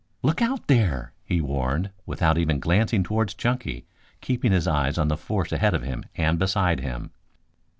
"Look out there!" he warned, without even glancing towards Chunky, keeping his eyes on the force ahead of him and beside him.